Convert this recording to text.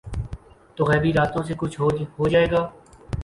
تو غیبی راستوں سے کچھ ہو جائے گا۔